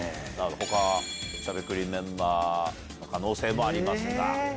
他しゃべくりメンバーの可能性もありますが。